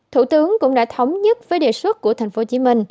thủ tướng cũng đã thống nhất với đề xuất của tp hcm